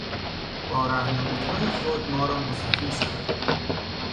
با رهنمودهای خود ما را مستفیض کرد.